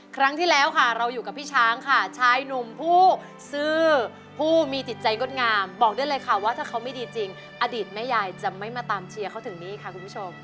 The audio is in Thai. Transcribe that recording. ครั้งที่แล้วค่ะเราอยู่กับพี่ช้างค่ะชายหนุ่มผู้ซื้อผู้มีจิตใจงดงามบอกได้เลยค่ะว่าถ้าเขาไม่ดีจริงอดีตแม่ยายจะไม่มาตามเชียร์เขาถึงนี่ค่ะคุณผู้ชม